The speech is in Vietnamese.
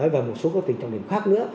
và một số tỉnh trọng điểm khác nữa